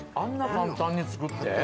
簡単に作って？